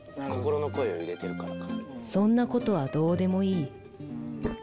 そんなことはどうでもいい。